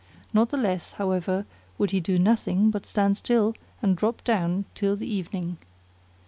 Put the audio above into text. Not the less, however, would he do nothing but stand still and drop down till the evening.